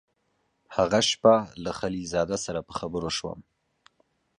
هغه شپه له خلیل زاده سره په خبرو شوم.